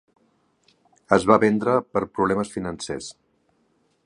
Es va vendre per problemes financers.